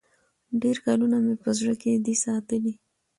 ډېر کلونه مي په زړه کي دی ساتلی